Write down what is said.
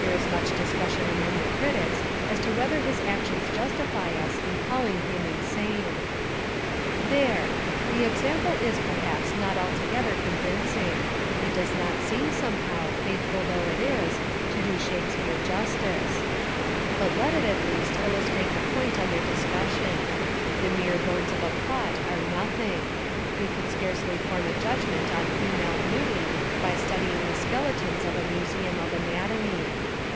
There is much discussion among the critics as to whether his actions justify us in calling him insane." There! The example is, perhaps, not alto gether convincing. It does not seem somehow, faithful though it is, to do Shakespeare justice. But let it at least illustrate the point under dis 250 The Amazing Genius of O. Henry cussion. The mere bones of a plot are noth ing. We could scarcely form a judgment on female beauty by studying the skeletons of a museum of anatomy.